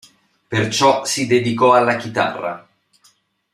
Perciò si dedicò alla chitarra.